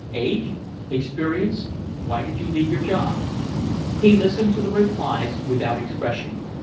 "Age? Experience? Why did you leave your job?" He listened to the replies without expression.